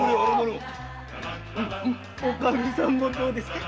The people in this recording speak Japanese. おかみさんもどうです？